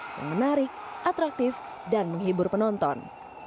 yang menarik atraktif dan menghibur penonton